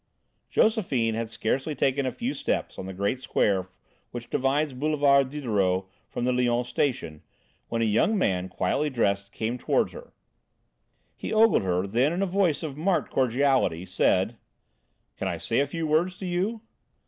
Josephine had scarcely taken a few steps on the great Square which divides Boulevard Diderot from the Lyons Station, when a young man, quietly dressed, came toward her. He ogled her, then in a voice of marked cordiality, said: "Can I say a few words to you?"